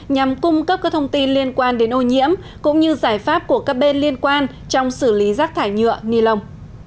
nhằm cung cấp các thông tin liên quan đến ô nhiễm cũng như giải pháp của các bên liên quan trong xử lý rác thải nhựa ni lông